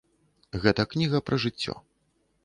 Гэта кніга пра жыццё.